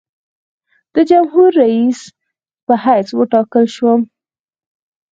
د جمهورریس په حیث وټاکل شوم.